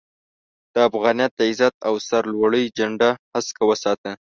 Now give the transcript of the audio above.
د افغانيت د عزت او سر لوړۍ جنډه هسکه وساته